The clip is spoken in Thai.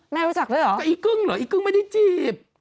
แม่รู้จักเลยเหรอก็อีกกึ่งเหรออีกกึ่งไม่ได้จีบ